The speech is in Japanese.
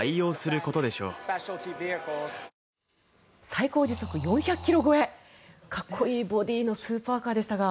最高時速４００ｋｍ超えかっこいいボディーのスーパーカーでしたが。